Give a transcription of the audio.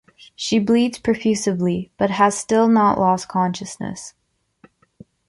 She bleeds profusely but has still not lost consciousness.